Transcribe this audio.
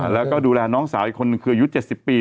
แล้วก็ดูแลน้องสาวอีกคนนึงคืออายุ๗๐ปี